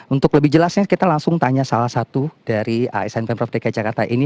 untuk lebih jelasnya kita langsung tanya salah satu dari asn pemprov dki jakarta ini